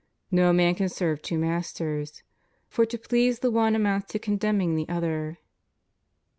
No man can serve two masters,^ for to please the one amounts to contemning the other.